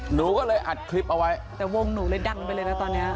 หนูก็เลยอัดคลิปเอาไว้แต่วงหนูเลยดังไปเลยนะตอนเนี้ย